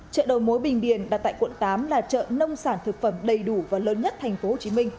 chợ đầu mối bình điền đặt tại quận tám là chợ nông sản thực phẩm đầy đủ và lớn nhất tp hcm